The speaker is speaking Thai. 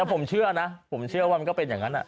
ผมเชื่อนะผมเชื่อว่ามันก็เป็นอย่างนั้น